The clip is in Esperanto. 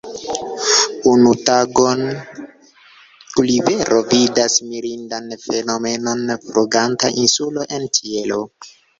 Unu tagon Gulivero vidas mirindan fenomenon: fluganta insulo en ĉielo.